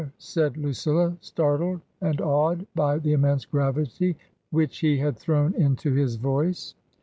said Lucilla, startled and awed by the immense gravity which he had thrown into his voice.